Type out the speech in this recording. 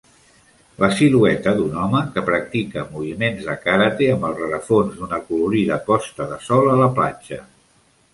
La silueta d'un home que practica moviments de karate amb el rerefons d'una acolorida posta de sol a la platja.